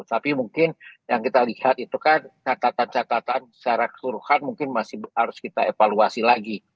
tapi mungkin yang kita lihat itu kan catatan catatan secara keseluruhan mungkin masih harus kita evaluasi lagi